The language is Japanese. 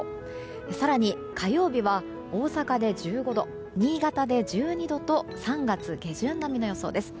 更に、火曜日は大阪で１５度新潟で１２度と３月下旬並みの予想です。